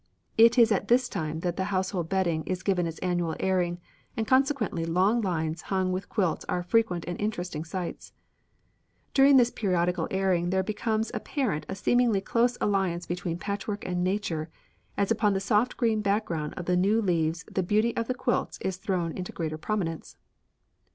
It is at this time that the household bedding is given its annual airing, and consequently long lines hung with quilts are frequent and interesting sights. During this periodical airing there becomes apparent a seemingly close alliance between patchwork and nature, as upon the soft green background of new leaves the beauty of the quilts is thrown into greater prominence.